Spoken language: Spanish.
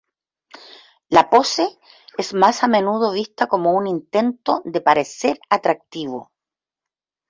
La pose es más a menudo vista como un intento de parecer atractivo.